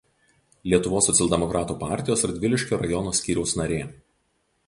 Lietuvos socialdemokratų partijos Radviliškio rajono skyriaus narė.